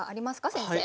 先生。